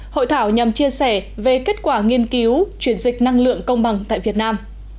hội thảo nhằm chia sẻ về kết quả nghiên cứu chuyển dịch năng lượng công bằng tại việt nam